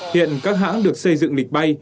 hiện các hãng được xây dựng lịch bay